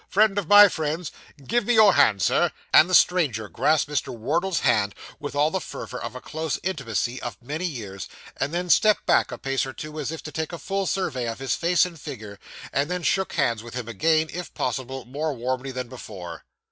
Friend of my friend's give me your hand, sir' and the stranger grasped Mr. Wardle's hand with all the fervour of a close intimacy of many years, and then stepped back a pace or two as if to take a full survey of his face and figure, and then shook hands with him again, if possible, more warmly than before.